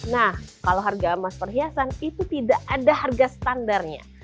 nah kalau harga emas perhiasan itu tidak ada harga standarnya